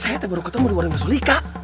saya baru ketemu di warung masulika